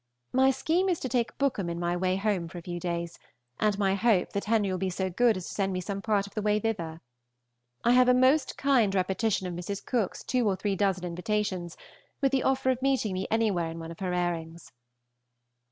My scheme is to take Bookham in my way home for a few days, and my hope that Henry will be so good as to send me some part of the way thither. I have a most kind repetition of Mrs. Cooke's two or three dozen invitations, with the offer of meeting me anywhere in one of her airings.